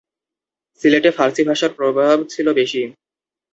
সিলেটে ফার্সী ভাষার প্রভাব ছিল বেশি।